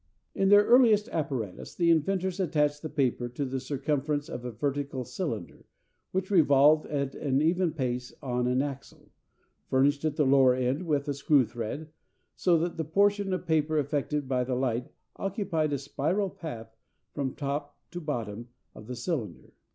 In their earliest apparatus the inventors attached the paper to the circumference of a vertical cylinder, which revolved at an even pace on an axle, furnished at the lower end with a screw thread, so that the portion of paper affected by the light occupied a spiral path from top to bottom of the cylinder.